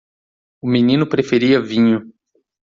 O menino preferia vinho.